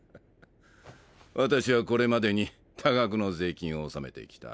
私はこれまでに多額の税金を納めてきた。